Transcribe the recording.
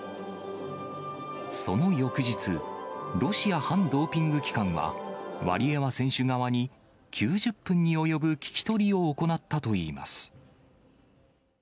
その翌日、ロシア反ドーピング機関は、ワリエワ選手側に、９０分に及ぶ聞き取りを行ったといいます。